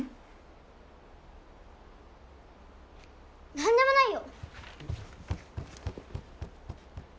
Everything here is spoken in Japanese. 何でもないよ。